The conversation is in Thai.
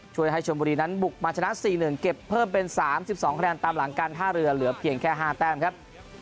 ช่วยให้ชนบุรีนั้นบุกมาชนะ๔๑เก็บเพิ่มเป็น๓๒คะแนนตามหลังการท่าเรือเหลือเพียงแค่๕แต้มครับ